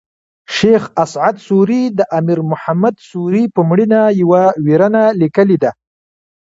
شېخ اسعد سوري د امیر محمد سوري پر مړینه یوه ویرنه لیکلې ده.